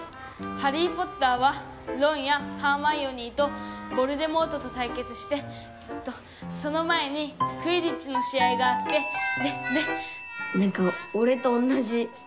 『ハリー・ポッター』はロンやハーマイオニーとヴォルデモートとたいけつしてえっとその前にクィディッチの試合があってでで」。